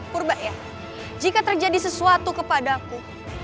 furbaya jika terjadi sesuatu kepadaku